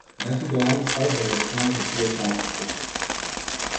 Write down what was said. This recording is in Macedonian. Не си доволно стар за да смееш да пиеш алкохол.